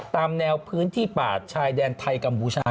ตามแนวพื้นที่ป่าชายแดนไทยกัมพูชา